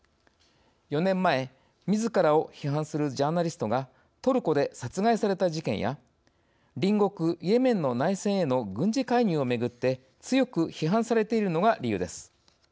４年前、みずからを批判するジャーナリストがトルコで殺害された事件や隣国イエメンの内戦への軍事介入をめぐって強く批判されているのが理由です。